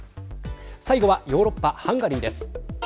最後はヨーロッパハンガリーです。